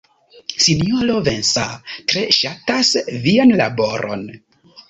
Sinjoro Vincent tre ŝatas vian laboron.